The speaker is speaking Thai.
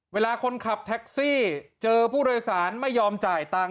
เวลาคนขับแท็กซี่เจอผู้โดยสารไม่ยอมจ่ายตังค